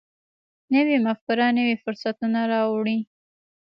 نوې مفکوره نوي فرصتونه راوړي